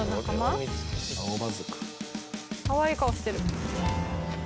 かわいい顔してる。